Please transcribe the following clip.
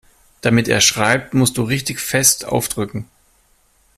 Damit er schreibt, musst du richtig fest aufdrücken.